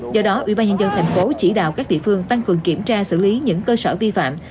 do đó ubnd tp chỉ đạo các địa phương tăng cường kiểm tra xử lý những cơ sở vi phạm